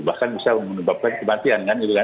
bahkan bisa menyebabkan kematian kan